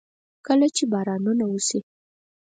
کله چې بارانونه وشي.